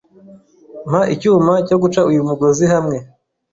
Mpa icyuma cyo guca uyu mugozi hamwe.